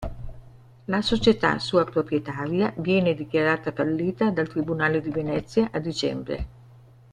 La Società sua proprietaria viene dichiarata fallita dal Tribunale di Venezia a dicembre.